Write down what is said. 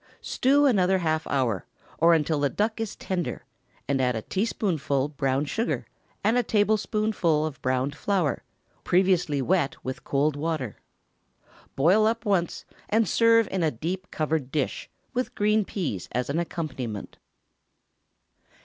Stew another half hour, or until the duck is tender, and add a teaspoonful brown sugar, and a tablespoonful of browned flour, previously wet with cold water. Boil up once, and serve in a deep covered dish, with green peas as an accompaniment.